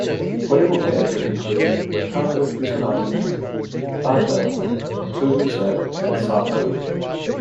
Playable characters include Motoko Kusanagi, Batou, Togusa, and Saito.